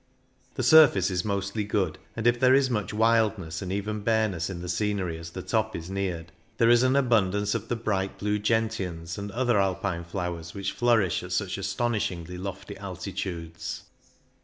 The surface is mostly good, and if there is much wildness and even bareness in the scenery as the top is neared, there is an THE ALBULA 67 abundance of the bright blue gentians and other Alpine flowers which flourish at such astonishingly lofty altitudes.